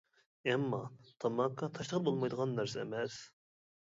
ئەمما، تاماكا تاشلىغىلى بولمايدىغان نەرسە ئەمەس.